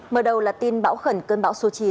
mở đầu là tin bão khẩn cơn bão số chín